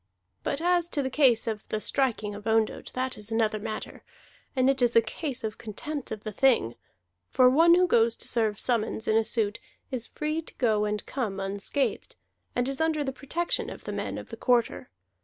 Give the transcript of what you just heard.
But as to the case of the striking of Ondott, that is another matter; and it is a case of contempt of the Thing, for one who goes to serve summons in a suit is free to go and come unscathed, and is under the protection of the men of the Quarter.